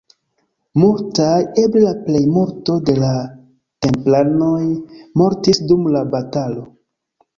Multaj, eble la plejmulto de la templanoj mortis dum la batalo.